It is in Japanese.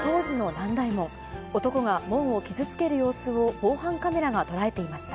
男が門を傷つける様子を、防犯カメラが捉えていました。